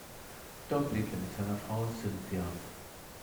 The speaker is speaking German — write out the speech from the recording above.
Dort lebt er mit seiner Frau Cynthia.